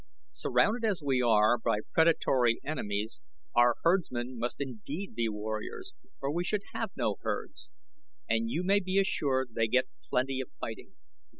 "Surrounded as we are by predatory enemies our herdsmen must indeed be warriors or we should have no herds, and you may be assured they get plenty of fighting.